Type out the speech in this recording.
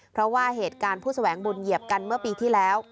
เพราะว่าเหตุการณ์ผู้แสวงบุญเหยียบกันเมื่อปีที่แล้ว